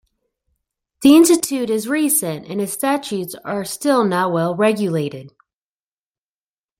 The institute is recent and its statutes are still not well regulated.